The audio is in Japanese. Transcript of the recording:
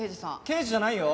刑事じゃないよ。